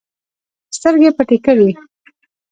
سترګې پټې کړې